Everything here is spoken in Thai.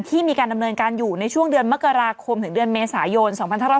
ที่มีการดำเนินการอยู่ในช่วงเดือนมกราคมเมษายน๒๐๖๖